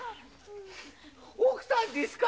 奥さんですか？